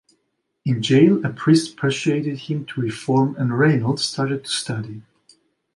In jail a priest persuaded him to reform and Reynolds started to study.